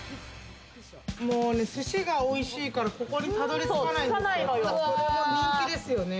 もうね、寿司がおいしいから、ここにたどり着かないんですよ。